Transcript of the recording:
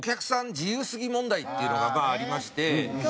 自由すぎ問題っていうのがありまして。